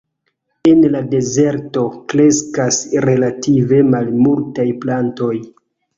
En la dezerto kreskas relative malmultaj plantoj.